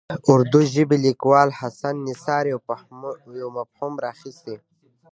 اردو ژبي لیکوال حسن نثار یو مفهوم راخیستی.